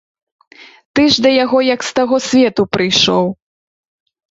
Ты ж да яго як з таго свету прыйшоў.